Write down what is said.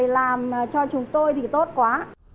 làm cho chúng tôi thì tốt quá